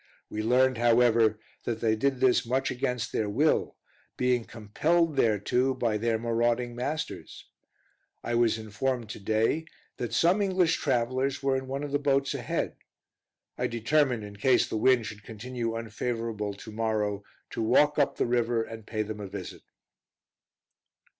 We learned, however, that they did this much against their will, being compelled thereto by their marauding masters. I was informed today that some English travelers were in one of the boats ahead. I determined, in case the wind should continue unfavorable tomorrow, to walk up the river and pay them a visit.